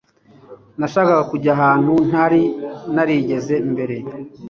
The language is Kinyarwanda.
Nashakaga kujya ahantu ntari narigeze mbere